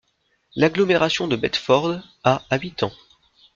L'agglomération de Bedford a habitants.